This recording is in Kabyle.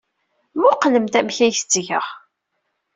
Mmuqqlemt amek ay t-ttgeɣ!